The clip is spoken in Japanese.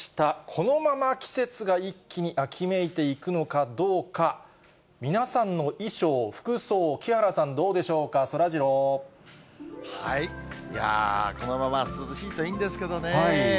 このまま季節が一気に秋めいていくのかどうか、皆さんの衣装、服装、木原さん、いやぁ、このまま涼しいといいんですけどね。